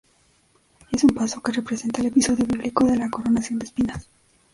Es un paso que representa el episodio bíblico de la Coronación de Espinas.